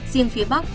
riêng phía bắc